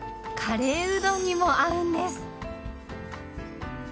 カレーうどんにも合うんです。